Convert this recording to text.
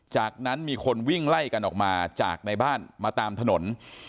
จากนั้นมีคนวิ่งไล่กันออกมาจากในบ้านมาตามถนน